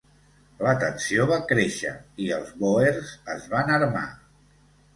La tensió va créixer, i els bòers es van armar.